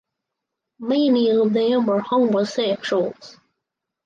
Many of them were homosexuals.